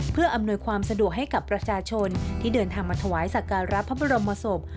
เพื่ออำนวยความสะดวกให้กับประชาชนที่เดินทางมาถวายสักการะพระบรมศพ